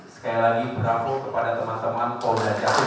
sekali lagi bravo kepada teman teman polda jatim